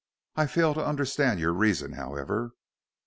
I fail to understand your reason, however."